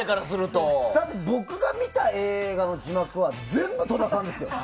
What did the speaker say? だって僕が見た映画の字幕は全部、戸田さんですよ。